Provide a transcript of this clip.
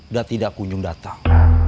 dan tidak kunjung datang